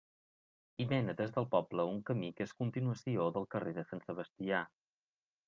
Hi mena des del poble un camí que és continuació del carrer de Sant Sebastià.